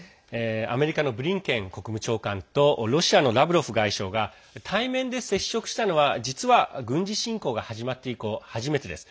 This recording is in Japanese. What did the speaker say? アメリカのブリンケン国務長官とロシアのラブロフ外相が対面で接触したのは実は、軍事侵攻が始まって以降初めてです。